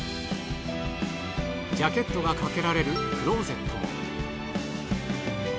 ジャケットがかけられるクローゼットも。